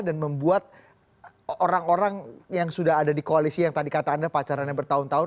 dan membuat orang orang yang sudah ada di koalisi yang tadi kata anda pacarannya bertahun tahun